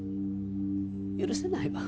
許せないわ。